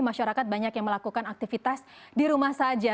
masyarakat banyak yang melakukan aktivitas di rumah saja